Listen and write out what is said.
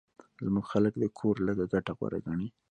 زموږ خلک د کور لږه ګټه غوره ګڼي